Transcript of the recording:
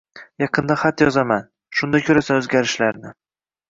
Yaqinda xat yozaman, shunda ko’rasan o’zgarishlarni…